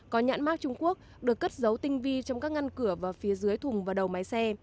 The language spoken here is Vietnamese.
có nhãn mát trung quốc được cất dấu tinh vi trong các ngăn cửa và phía dưới thùng và đầu máy xe